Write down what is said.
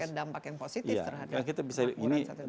dan ini bisa memberikan dampak yang positif terhadap pemerintah satu daerah